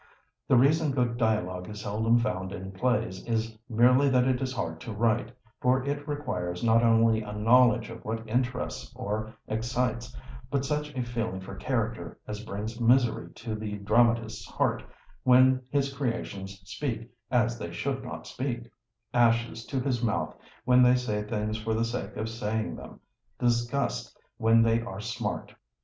The reason good dialogue is seldom found in plays is merely that it is hard to write, for it requires not only a knowledge of what interests or excites, but such a feeling for character as brings misery to the dramatist's heart when his creations speak as they should not speak—ashes to his mouth when they say things for the sake of saying them—disgust when they are "smart."